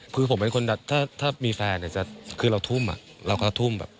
คือผมเป็นคนถ้ามีแฟนเนี่ยจะคือเราทุ่มเราก็ทุ่มแบบ